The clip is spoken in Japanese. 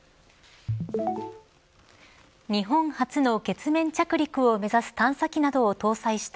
日本初の月面着陸を目指す探査機などを搭載した